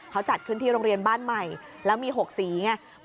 เขาจัดขึ้นที่โรงเรียนบ้านใหม่แล้วมี๖สีไง